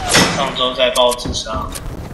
上週在報紙上